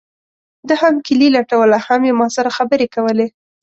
ده هم کیلي لټوله هم یې ما سره خبرې کولې.